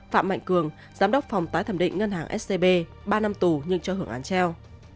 phạm mạnh cường giám đốc phòng tái thẩm định ngân hàng scb ba năm tù nhưng cho hưởng án treo